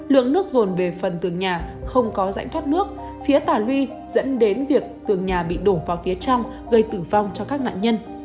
lượng nước rồn về phần tường nhà không có rãnh thoát nước phía tà luy dẫn đến việc tường nhà bị đổ vào phía trong gây tử vong cho các nạn nhân